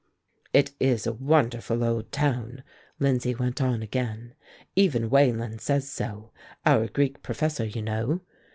"It is a wonderful old town," Lindsay went on again. "Even Wayland says so, our Greek professor, you know."